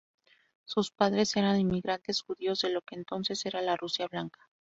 Sus padres eran inmigrantes judíos de lo que entonces era la Rusia blanca.